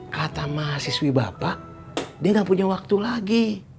kata mahasiswi bapak dia gak punya waktu lagi